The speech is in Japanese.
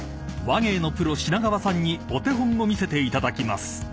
［話芸のプロ品川さんにお手本を見せていただきます］